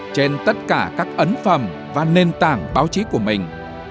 trên tất cả các ấn phẩm và nền tảng báo chí của mình